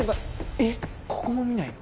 えっここも見ないの？